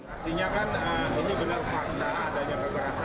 artinya kan ini benar fakta adanya kekerasan terhadap ibu ratna